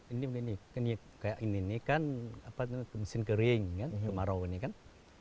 ini begini kayak ini kan mesin kering kan kemarau ini kan